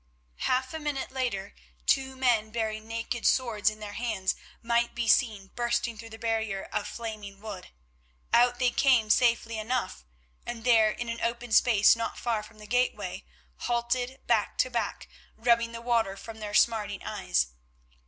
Half a minute later two men bearing naked swords in their hands might be seen bursting through the barrier of flaming wood. Out they came safely enough, and there in an open space not far from the gateway, halted back to back, rubbing the water from their smarting eyes.